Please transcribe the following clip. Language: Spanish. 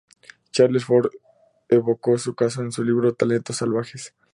Charles Fort evocó su caso en su libro "Talentos salvajes".